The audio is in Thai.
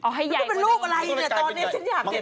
อ๋อให้ใหญ่กว่านี้มังกรมันเป็นรูปอะไรเนี่ยตอนนี้ฉันอยากเห็นว่า